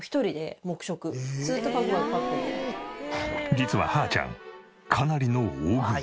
実はハーちゃんかなりの大食い。